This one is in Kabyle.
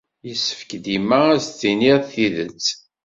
Yessefk dima ad d-tettinid tidet.